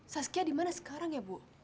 saskia dimana sekarang ya bu